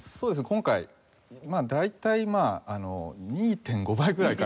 今回大体２．５倍ぐらいかな。